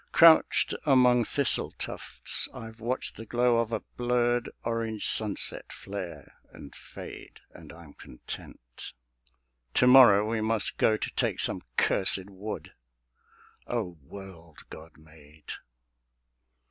Crouched among thistle tufts I've watched the glow Of a blurred orange sunset flare and fade; And I'm content. To morrow we must go To take some cursèd Wood.... O world God made!